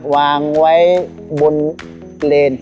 วางไว้บนเลน